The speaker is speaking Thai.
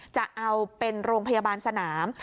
จะเอาเป็นโรงพยาบาลสนาม